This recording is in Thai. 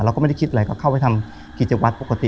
เราก็ไม่ได้คิดอะไรก็เข้าไปทำกิจวัตรปกติ